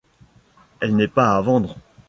Elle n'est pas à vendre.